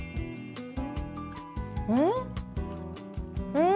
うん？